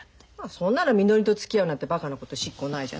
そんならみのりとつきあうなんてバカなことしっこないじゃない。